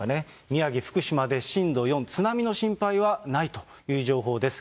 宮城・福島で震度４、津波の心配はないという情報です。